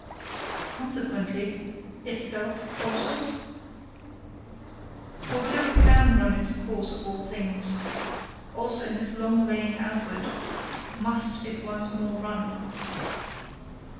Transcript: CONSEQUENTLY itself also? For whatever CAN run its course of all things, also in this long lane OUTWARD MUST it once more run!